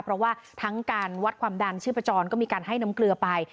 เพราะว่าทั้งการวัดความดันชีพจรก็มีการให้น้ำเกลือไป